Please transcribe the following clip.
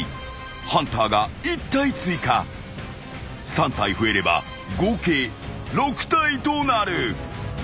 ［３体増えれば合計６体となる］